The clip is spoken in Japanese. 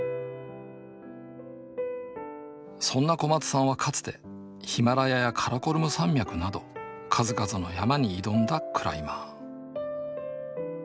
そんな小松さんはかつてヒマラヤやカラコルム山脈など数々の山に挑んだクライマー。